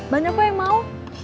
banyak kok yang mau